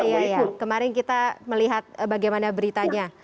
iya iya iya kemarin kita melihat bagaimana beritanya